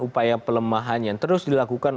upaya pelemahannya terus dilakukan